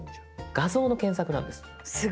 画像の検索なんです。